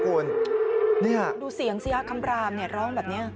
ดูเสียงเสียคำรามร้องแบบนี้